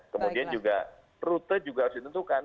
kemudian juga rute juga harus ditentukan